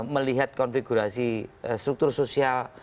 melihat konfigurasi struktur sosial